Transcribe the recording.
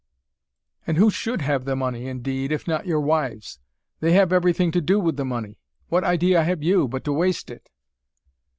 "And who SHOULD have the money, indeed, if not your wives? They have everything to do with the money. What idea have you, but to waste it!"